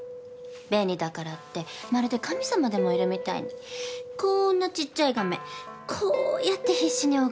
便利だからってまるで神様でもいるみたいにこんなちっちゃい画面こうやって必死に拝んじゃって。